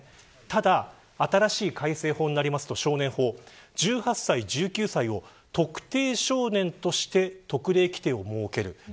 ただ、新しい改正法になりますと少年法１８歳、１９歳を特定少年として特例規定を設ける。